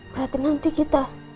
berarti nanti kita